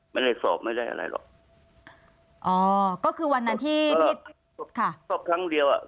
ไม่ได้สอบไม่ได้อะไรหรอกอ๋อก็คือวันนั้นที่ที่ศพค่ะสอบครั้งเดียวอ่ะ